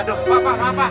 aduh pak pak pak